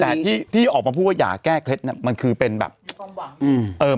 แต่ที่ที่ออกมาพูดว่าอย่าแก้เคล็ดเนี้ยมันคือเป็นแบบอืมเอ่อ